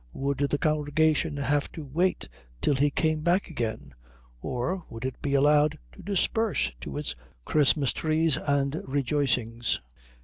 Would the congregation have to wait till he came back again, or would it be allowed to disperse to its Christmas trees and rejoicings?